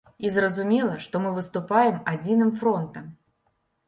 І зразумела, што мы выступаем адзіным фронтам.